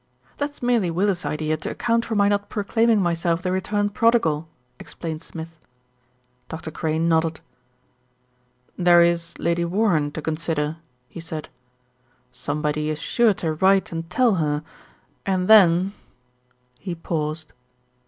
"That's merely Willis' idea to account for my not proclaiming myself the returned prodigal," explained Smith. Dr. Crane nodded. THE VICAR DECIDES TO ACT 67 "There is Lady Warren to consider," he said. "Somebody is sure to write and tell her, and then " he paused.